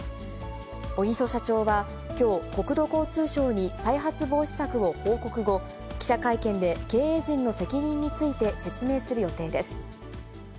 小木曽社長はきょう、国土交通省に再発防止策を報告後、記者会見で、経営陣の責任について説明する予定です。